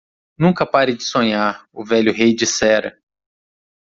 "Nunca pare de sonhar?" o velho rei dissera.